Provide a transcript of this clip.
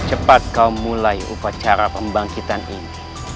cepat kau mulai upacara pembangkitan ini